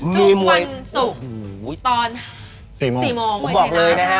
มีมวยสุดวันศูนย์ตอน